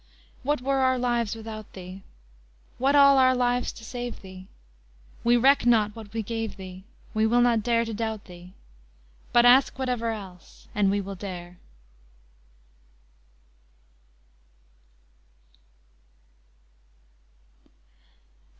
What were our lives without thee? What all our lives to save thee? We reck not what we gave thee: We will not dare to doubt thee, But ask whatever else, and we will dare!